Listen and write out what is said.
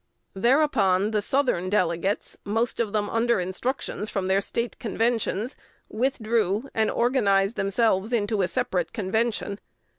Thereupon the Southern delegates, most of them under instructions from their State conventions, withdrew, and organized themselves into a separate convention.